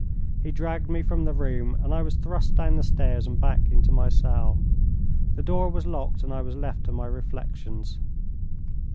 He dragged me from the room and I was thrust down the stairs and back into my cell. The door was locked and I was left to my reflections.